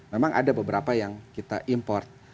memang ada beberapa yang kita import